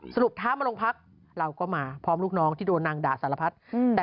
ท้ามาโรงพักเราก็มาพร้อมลูกน้องที่โดนนางด่าสารพัด